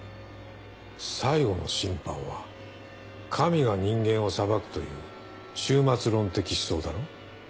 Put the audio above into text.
「最後の審判」は神が人間を裁くという終末論的思想だろ？